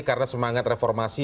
karena semangat reformasi